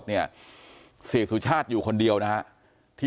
ซึ่งแต่ละคนตอนนี้ก็ยังให้การแตกต่างกันอยู่เลยว่าวันนั้นมันเกิดอะไรขึ้นบ้างนะครับ